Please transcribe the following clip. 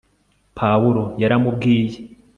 pawulo yaramubwiye